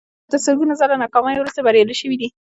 خلک تر سلګونه ځله ناکاميو وروسته بريالي شوي دي.